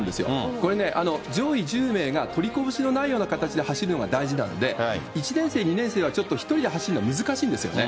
これね、上位１０名がとりこぼしのないような形で走るのが大事なんで、１年生、２年生はちょっと１人で走るのは難しいんですよね。